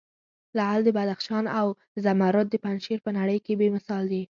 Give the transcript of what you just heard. لعل د بدخشان او زمرود د پنجشیر په نړې کې بې مثال دي.